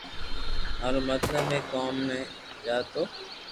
مارو مطلب ھي ڪوم تي جا تو